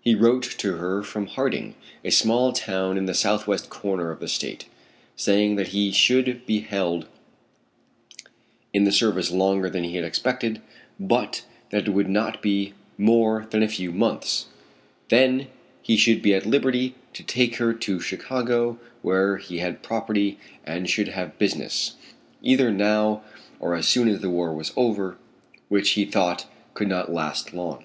He wrote to her from Harding, a small town in the southwest corner of the state, saying that he should be held in the service longer than he had expected, but that it would not be more than a few months, then he should be at liberty to take her to Chicago where he had property, and should have business, either now or as soon as the war was over, which he thought could not last long.